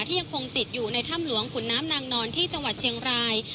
ยังคงติดอยู่ในถ้ำหลวงขุนน้ำนางนอนที่จังหวัดเชียงราย